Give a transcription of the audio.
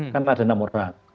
kan ada nomoran